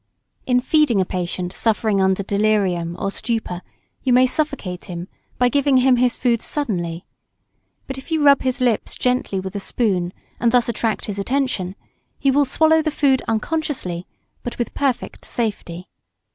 In feeding a patient suffering under delirium or stupor you may suffocate him, by giving him his food suddenly, but if you rub his lips gently with a spoon and thus attract his attention, he will swallow the food unconsciously, but with perfect safety.